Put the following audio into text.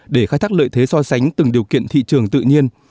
để khai thác lợi thế so sánh từng điều kiện thị trường tự nhiên